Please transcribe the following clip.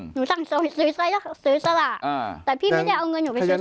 สั่งซื้อสละแต่พี่ไม่ได้เอาเงินหนูไปซื้อ